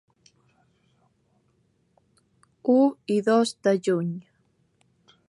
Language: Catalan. U i dos de juny.